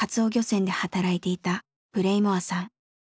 船で働いていたブレイモアさん。